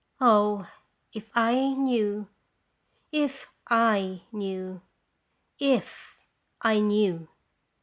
O, if I knew, if / knew, if I knew